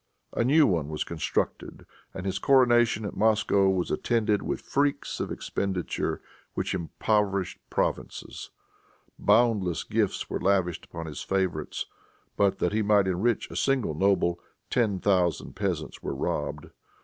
A new one was constructed, and his coronation at Moscow was attended with freaks of expenditure which impoverished provinces. Boundless gifts were lavished upon his favorites. But that he might enrich a single noble, ten thousand peasants were robbed.